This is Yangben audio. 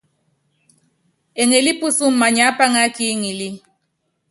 Eŋelí pusɔm maniápáŋá kí ŋili.